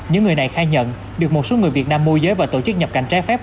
những người này khai nhận được một số người việt nam môi giới và tổ chức nhập cảnh trái phép